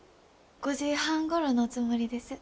５時半ごろのつもりです。